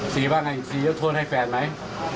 ศรีบ้างไงศรีแล้วโทษให้แฟนไหม